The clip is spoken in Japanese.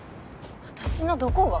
私のどこが？